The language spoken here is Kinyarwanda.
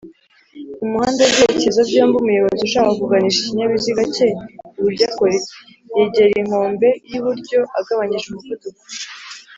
mumuhanda wibyerekezo byombi umuyobozi ushaka kuganisha ikinyabiziga cye iburyo akora iki?yegera inkombe y’iburyo agabanyije umuvuduko